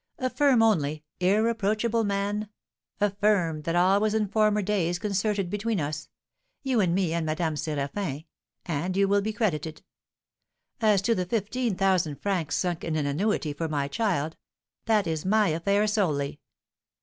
Affirm only, irreproachable man. Affirm that all was in former days concerted between us, you and me and Madame Séraphin, and you will be credited. As to the fifteen thousand francs sunk in an annuity for my child, that is my affair solely.